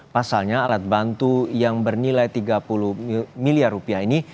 pasalnya alat bantu yang bernilai tiga puluh miliar rupiah ini